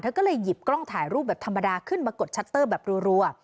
ก็เลยหยิบกล้องถ่ายรูปแบบธรรมดาขึ้นมากดชัตเตอร์แบบรัว